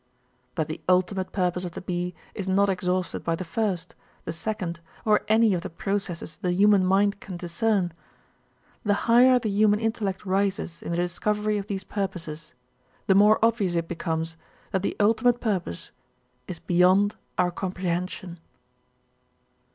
But the ultimate purpose of the bee is not exhausted by the first, the second, or any of the processes the human mind can discern. The higher the human intellect rises in the discovery of these purposes, the more obvious it becomes, that the ultimate purpose is beyond our comprehension.